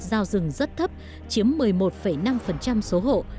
giao rừng rất thấp chiếm một mươi một năm số hộ